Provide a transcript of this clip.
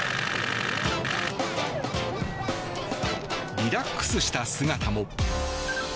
リラックスした姿も。